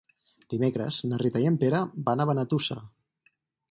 Dimecres na Rita i en Pere van a Benetússer.